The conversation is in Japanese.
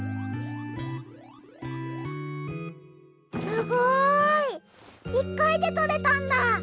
すごい！１回で取れたんだ。